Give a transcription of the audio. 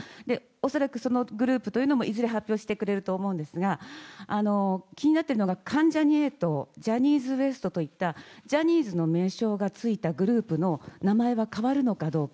恐らくそのグループというのも、いずれ発表してくれると思うんですが、気になっているのが、関ジャニ∞、ジャニーズＷＥＳＴといった、ジャニーズの名称がついたグループの名前は変わるのかどうか。